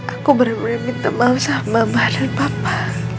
aku bener bener minta maaf sama bapak dan papa